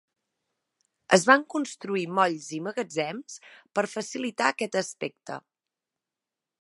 Es van construir molls i magatzems per facilitar aquest aspecte.